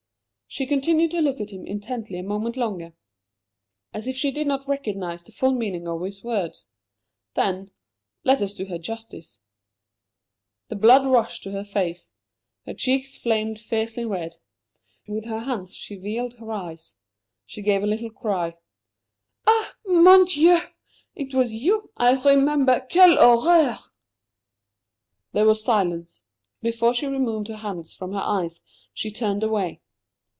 She continued to look at him intently a moment longer, as if she did not realize the full meaning of his words. Then let us do her justice! the blood rushed to her face, her cheeks flamed fiery red. With her hands she veiled her eyes. She gave a little cry. "Ah, mon Dieu! It was you I remember. Quelle horreur!" There was silence. Before she removed her hands from her eyes she turned away.